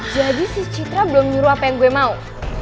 jadi si citra belum nyuruh apa yang gue mau